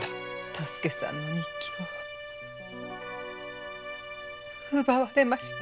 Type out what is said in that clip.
多助さんの日記を奪われました。